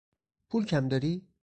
پول کم داری؟